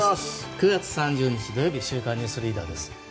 ９月３０日、土曜日「週刊ニュースリーダー」です。